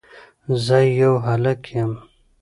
زه يو هلک يم